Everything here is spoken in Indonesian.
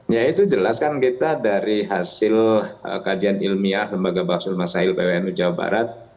ya itu jelas kan kita dari hasil kajian ilmiah lembaga baksul masail pwnu jawa barat